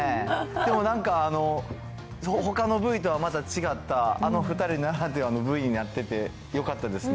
でもなんか、ほかのＶとはまた違った、あの２人ならではのＶになっててよかったですね。